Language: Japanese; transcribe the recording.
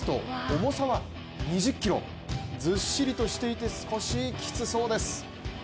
重さは２０キロ、ずっしりとしていて少しきつそうです。